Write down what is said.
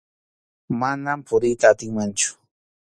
Manam puriyta atinmanchu.